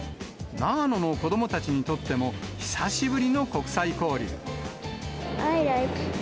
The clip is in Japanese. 長野の子どもたちにとっても、久しぶりの国際交流。